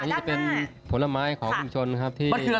อันนี้เป็นผลไม้ของคุณชนครับ